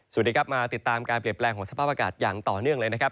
สวัสดีครับมาติดตามการเปลี่ยนแปลงของสภาพอากาศอย่างต่อเนื่องเลยนะครับ